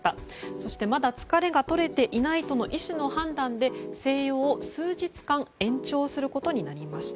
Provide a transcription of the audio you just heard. そして、まだ疲れが取れていないとの医師の判断で静養を数日間延長することになりました。